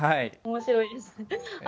面白いです。